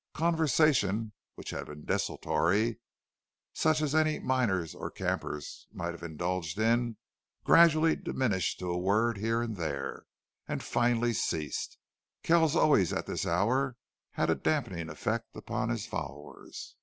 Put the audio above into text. Conversation, which had been desultory, and such as any miners or campers might have indulged in, gradually diminished to a word here and there, and finally ceased. Kells always at this hour had a dampening effect upon his followers.